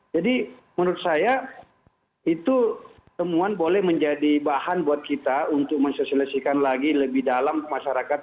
jadi menurut saya itu temuan boleh menjadi bahan buat kita untuk mensosialisikan lagi lebih dalam masyarakat